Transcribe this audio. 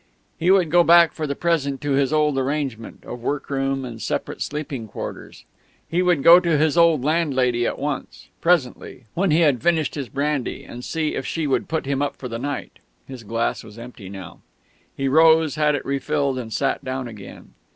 He would go back for the present to his old arrangement, of workroom and separate sleeping quarters; he would go to his old landlady at once presently when he had finished his brandy and see if she could put him up for the night. His glass was empty now.... He rose, had it refilled, and sat down again.